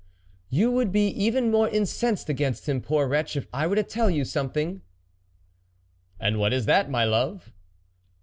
" "You would be even more incensed against him, poor wretch, if I were to tell you something." " And what is that, my love